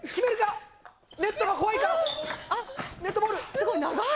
すごい長い。